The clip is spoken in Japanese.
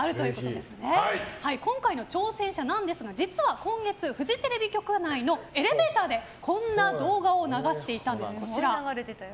今回の挑戦者なんですが実は今月フジテレビ局内のエレベーターでこんな動画を流していたんです。